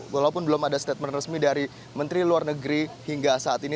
walaupun belum ada statement resmi dari menteri luar negeri hingga saat ini